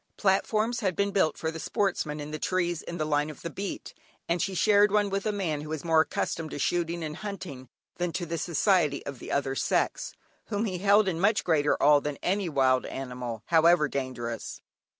Platforms had been built for the Sportsmen in the trees in the line of the beat, and she shared one with a man who was more accustomed to shooting and hunting than to the society of the other sex, whom he held in much greater awe than any wild animal, however dangerous.